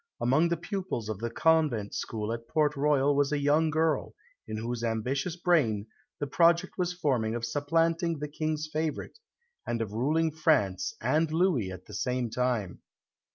Among the pupils of the convent school at Port Royal was a young girl, in whose ambitious brain the project was forming of supplanting the King's favourite, and of ruling France and Louis at the same time.